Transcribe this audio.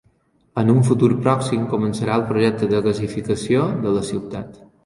En un futur pròxim començarà el projecte de gasificació de la ciutat.